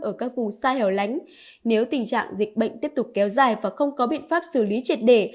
ở các vùng xa hẻo lánh nếu tình trạng dịch bệnh tiếp tục kéo dài và không có biện pháp xử lý triệt để